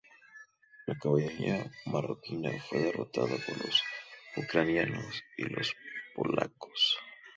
La caballería marroquí fue derrotada por los ucranianos y los polacos.